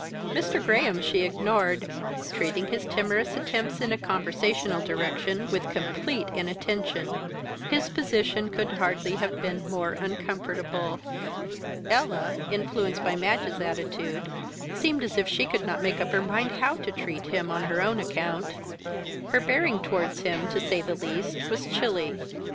Mr. Graham she ignored, treating his timorous attempts in a conversational direction with complete inattention. His position could hardly have been more uncomfortable. Ella, influenced by Madge's attitude, seemed as if she could not make up her mind how to treat him on her own account; her bearing towards him, to say the least, was chilly.